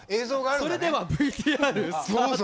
それではＶＴＲスタート。